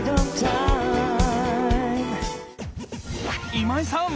今井さん